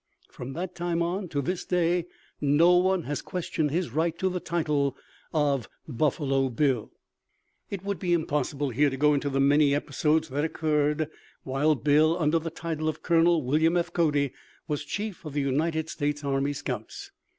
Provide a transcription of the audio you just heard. From that time on to this day no one has questioned his right to the title of "Buffalo Bill." It would be impossible here to go into the many episodes that occurred while Bill, under the title of Colonel William F. Cody, was chief of the United States Army Scouts.